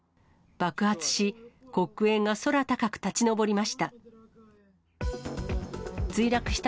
爆発し、黒煙が空高く立ち上りました。